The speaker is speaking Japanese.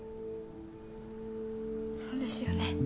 そうですよね。